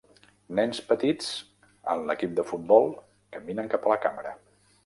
Nens petits amb l'equip de futbol caminen cap a la càmera.